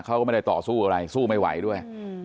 เขาก็ไม่ได้ต่อสู้อะไรสู้ไม่ไหวด้วย